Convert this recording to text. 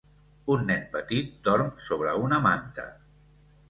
Un nen petit dorm sobre una manta.